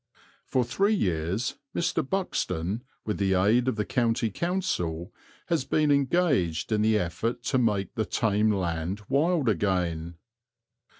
For three years Mr. Buxton, with the aid of the County Council, has been engaged in the effort to make the tame land wild again.